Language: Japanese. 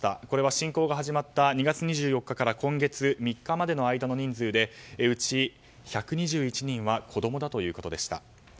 これは侵攻が始まった２月２４日から今月３日までの間の人数でそのうち１２１人が子供だということでした。